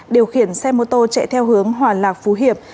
điều khiển xe mô tô chạy theo hướng hòa lạc phú hiệp